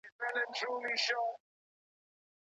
ولي هوډمن سړی د مخکښ سړي په پرتله موخي ترلاسه کوي؟